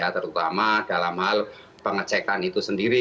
terutama dalam hal pengecekan itu sendiri